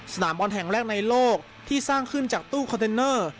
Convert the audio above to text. สนามบอลแห่งแรกในโลกที่สร้างขึ้นจากตู้คอนเทนเนอร์